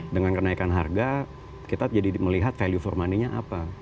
dengan kenaikan harga kita jadi melihat value for money nya apa